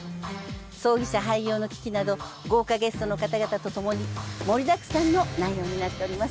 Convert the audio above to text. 葬儀社廃業の危機など豪華ゲストの方々と共に盛りだくさんの内容になっております。